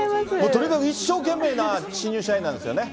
とにかく一生懸命な新入社員ですよね。